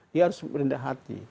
dia harus rendah hati